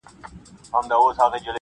هر څوک له بل څخه لرې او جلا ښکاري,